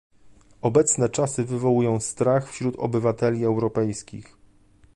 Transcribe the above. Obecne czasy wywołują strach wśród obywateli europejskich